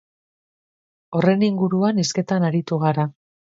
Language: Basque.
Horren inguruan hizketan aritu gara.